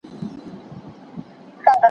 د بيلګي په توګه رجعي طلاق څنګه دی؟